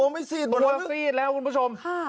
ไม่ซีดหมดแล้วคุณผู้ชม